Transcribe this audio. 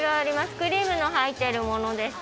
クリームの入っているものですとか。